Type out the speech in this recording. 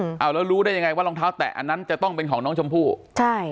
อ้าวแล้วรู้ได้ยังไงว่ารองเท้าแตะอันนั้นจะต้องเป็นของน้องชมพู่ใช่